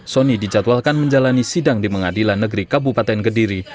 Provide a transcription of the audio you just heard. sony dijadwalkan menjalani sidang di mengadilan negeri kabupaten kediri